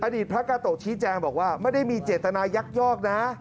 อดีตพระกาโตะชีแจงบอกว่าไม่ได้มีเจตนายักษ์ยอก